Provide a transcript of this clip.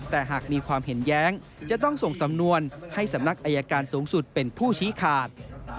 แต่หากมีความเห็นแย้งจะต้องส่งสำนวนให้สำนักอายการสูงสุดเป็นผู้ชี้ขาด